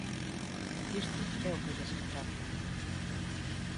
Isto é o que lles importa.